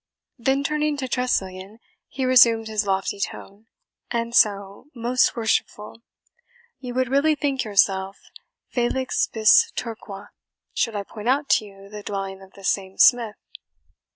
Then turning to Tressilian, he resumed his lofty tone, "And so, most worshipful, you would really think yourself FELIX BIS TERQUE should I point out to you the dwelling of this same smith?"